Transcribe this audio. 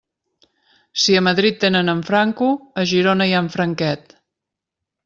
Si a Madrid tenen en Franco, a Girona hi ha en Franquet.